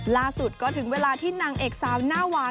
ล่าสุดก็ถึงเวลาที่นางเอกสาวหน้าหวาน